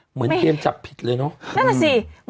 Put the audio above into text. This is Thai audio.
เหมือนเกมจับผิดเลยเนอะ